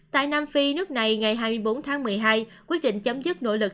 tại nam phi nước này ngày hai mươi bốn tháng một mươi hai quyết định chấm dứt nỗ lực